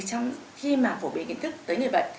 trong khi phổ biến kiến thức tới người bệnh